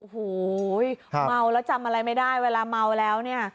โอ้โหเมาแล้วจำอะไรไม่ได้เวลาเมาแล้วเนี่ย